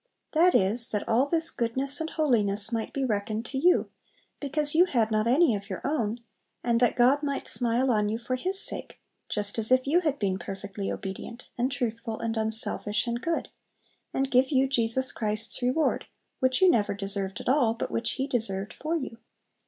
That is, that all this goodness and holiness might be reckoned to you, because you had not any of your own, and that God might smile on you for His sake, just as if you had been perfectly obedient, and truthful, and unselfish, and good, and give you Jesus Christ's reward, which you never deserved at all, but which He deserved for you.